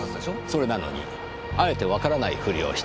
それなのにあえてわからないふりをした。